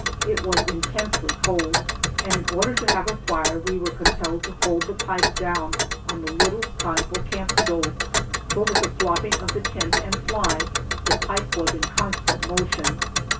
It was intensely cold, and in order to have a fire we were compelled to hold the pipe down on the little conical camp stove, for with the flopping of the tent and fly, the pipe was in constant motion.